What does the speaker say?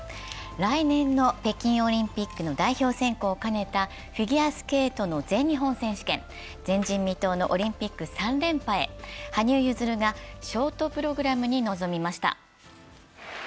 来年の北京オリンピックの代表選考を兼ねたフィギュアスケートの全日本選手権、前人未到のオリンピック３連覇へ、羽生結弦がショートプログラムに臨みました。